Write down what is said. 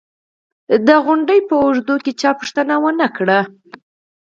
د غونډې په اوږدو کې چا پوښتنه و نه کړه